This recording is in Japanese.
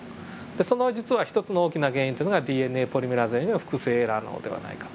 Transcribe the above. その実は１つの大きな原因っていうのがＤＮＡポリメラーゼの複製エラーなのではないかと。